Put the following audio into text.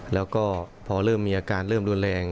แล้วก็พอเริ่มมีอาการเริ่มรุนแรง